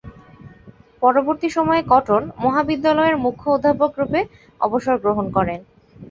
পরবর্তী সময়ে কটন মহাবিদ্যালয়ের মুখ্য অধ্যাপক রুপে অবসর গ্রহণ করেন।